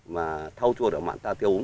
mà thau chua rửa mặn ta tiêu úm